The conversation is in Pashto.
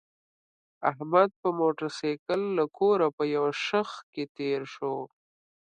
احمد په موټرسایکل له کوره په یو شخ کې تېر شو.